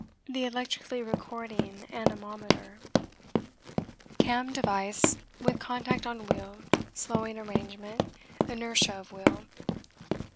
The electrically recording anemometer Cam device with contact on wheel; slowing arrangement, inertia of wheel.